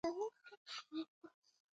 تاسي ته د دې پوسټ د لیدو اجازه نشته.